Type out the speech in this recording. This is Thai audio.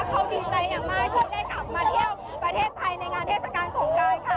เขาดีใจอย่างมากที่ได้ขับมาเที่ยวประเทศไทยในงานเทศกาลสงการค่ะ